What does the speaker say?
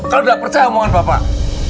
kalau gak percaya mohon bapak